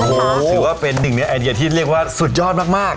โอ้โหถือว่าเป็นหนึ่งในไอเดียที่เรียกว่าสุดยอดมาก